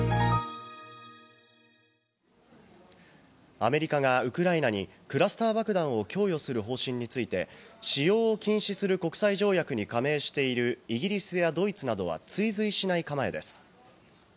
アメリカがウクライナにクラスター爆弾を供与する方針について、使用を禁止する国際条約に加盟しているイギリスやドイツなどは追随しない構えです。